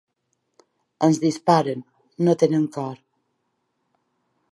Ens disparen, no tenen cor.